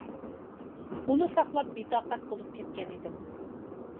ئۇنى ساقلاپ بىتاقەت بولۇپ كەتكەن ئىدىم.